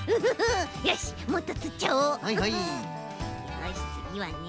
よしつぎはね。